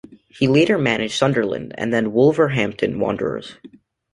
He later managed Sunderland, and then Wolverhampton Wanderers.